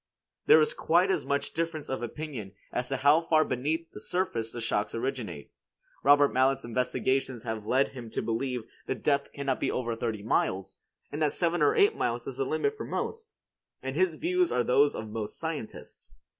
There is quite as much difference of opinion as to how far beneath the surface the shocks originate. Robert Mallet's investigations have led him to believe the depth cannot be over thirty miles, and that seven or eight miles is the limit for most, and his views are those of most scientists.